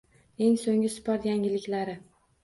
Eng so‘nggi sport yangiliklari